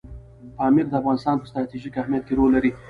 پامیر د افغانستان په ستراتیژیک اهمیت کې لوی رول لري.